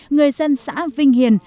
người dân xã vinh hiền